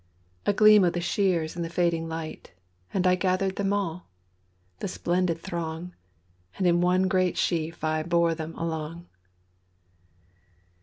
A gleam of the shears in the fading light, And I gathered them all,—the splendid throng, And in one great sheaf I bore them along..